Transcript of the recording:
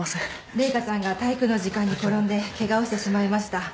麗華ちゃんが体育の時間に転んでケガをしてしまいました。